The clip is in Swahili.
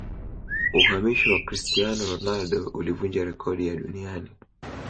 uhamisho wa cristiano ronaldo ulivunja rekodi ya duniani